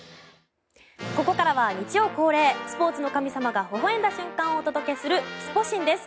ここからは日曜恒例スポーツの神様がほほ笑んだ瞬間をお届けするスポ神です。